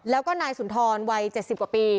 แล้วก็นายสุนทรวัย๗๐กว่าปี